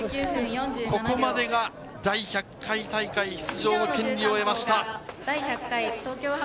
ここまでが第１００回大会出場の権利を得ました。